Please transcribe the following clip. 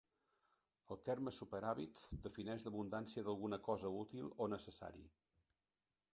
El terme superàvit defineix l'abundància d'alguna cosa útil o necessari.